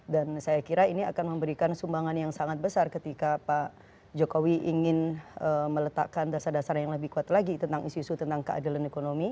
dan saya kira ini akan memberikan sumbangan yang sangat besar ketika pak jokowi ingin meletakkan dasar dasar yang lebih kuat lagi tentang isu isu tentang keadilan